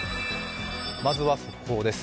まずは速報です。